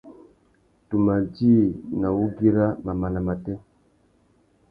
Tu mà djï nà wugüira mamana matê.